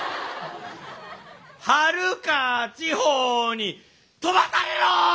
はるか地方に飛ばされろ！